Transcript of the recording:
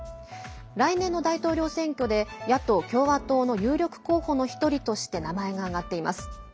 来年の大統領選挙で野党・共和党の有力候補の１人として名前が挙がっています。